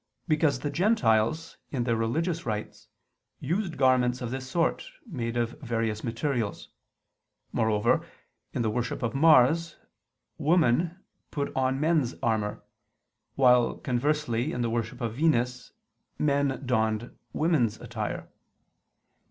Because the Gentiles, in their religious rites, used garments of this sort, made of various materials. Moreover in the worship of Mars, women put on men's armor; while, conversely, in the worship of Venus men donned women's attire.